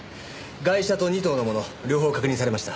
ガイシャと仁藤のもの両方確認されました。